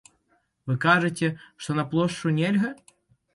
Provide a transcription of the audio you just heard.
Вы кажаце, што на плошчу нельга.